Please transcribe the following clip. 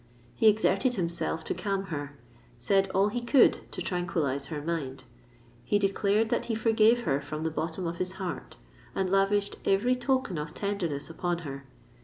He exerted himself to calm her—said all he could to tranquillise her mind. He declared that he forgave her from the bottom of his heart, and lavished every token of tenderness upon her.